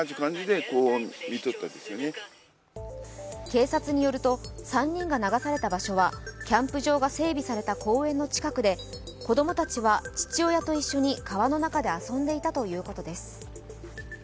警察によると３人が流された場所はキャンプ場が整備された公園の近くで、子供たちは父親と一緒に川の中で遊んでいたということです。